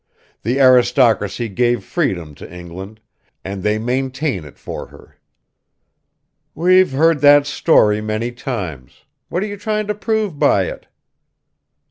The aristocracy gave freedom to England, and they maintain it for her." "We've heard that story many times; what are you trying to prove by it?"